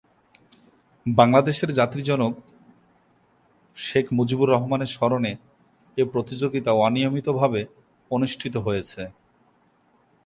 বাংলাদেশের জাতির জনক শেখ মুজিবুর রহমানের স্মরণে এ প্রতিযোগিতা অনিয়মিতভাবে অনুষ্ঠিত হয়েছে।